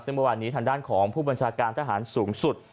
ซึ่งเมื่อวานนี้ทางด้านของผู้บัญชาการทหารสูงสุด